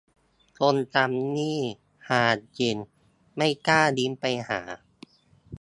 คนทำนี่ฮาจริง ไม่กล้าลิงก์ไปหา